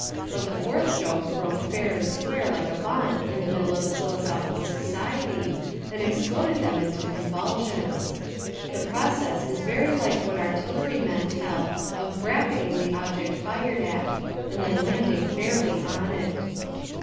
But the fourth joke broke fair and square like a bomb in the middle of the Philosophical Society and exploded them into convulsions. The process is very like what artillery men tell of "bracketing" the object fired at, and then landing fairly on it.